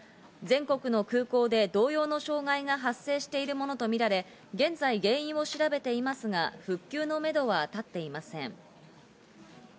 全国の空港で同様の障害が発生しているものとみられ、現在、原因を調べていますが、復旧のめどはたっていません。